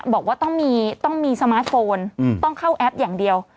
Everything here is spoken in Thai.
บอกว่าต้องมีสมาร์ทโฟนต้องเข้าแอปอย่างเดียว